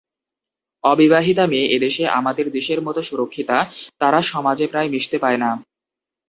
অবিবাহিতা মেয়ে এদেশে আমাদের দেশের মত সুরক্ষিতা, তারা সমাজে প্রায় মিশতে পায় না।